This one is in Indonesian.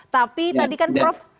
tapi tadi kan prof